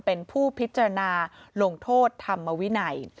เป็นผู้พิจารณาลงโทษธรรมวินัย